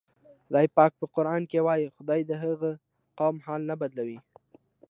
خدای پاک په قرآن کې وایي: "خدای د هغه قوم حال نه بدلوي".